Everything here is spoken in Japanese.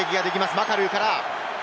マカルーから。